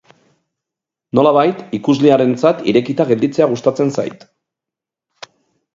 Nolabait, ikuslearentzat irekita gelditzea gustatzen zait.